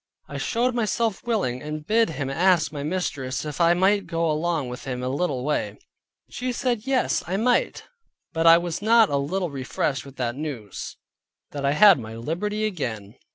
I showed myself willing, and bid him ask my mistress if I might go along with him a little way; she said yes, I might, but I was not a little refreshed with that news, that I had my liberty again.